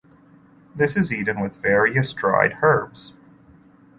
This is eaten with various dried herbs.